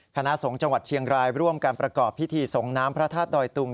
คณะสงฆ์จังหวัดเชียงรายร่วมการประกอบพิธีส่งน้ำพระธาตุดอยตุง